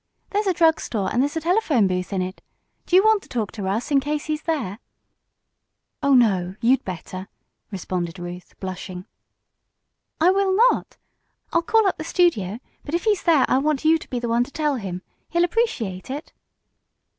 "There's a drug store and there's a telephone booth in it. Do you want to talk to Russ, in case he's there?" "Oh, no, you'd better," responded Ruth, blushing. "I will not. I'll call up the studio, but if he's there I want you to be the one to tell him. He'll appreciate it."